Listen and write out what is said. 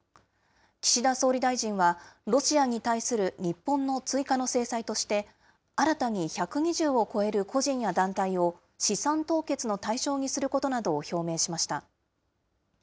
岸田総理大臣は、ロシアに対する日本の追加の制裁として、新たに１２０を超える個人や団体を、資産凍結の対象にすることなどを表明しました。